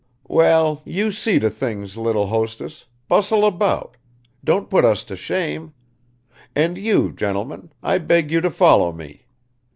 "Well, you see to things, little hostess, bustle about, don't put us to shame; and you, gentlemen, I beg you to follow me.